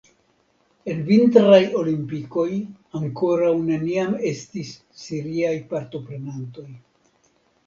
En vintraj olimpikoj ankoraŭ neniam estis siriaj partoprenantoj.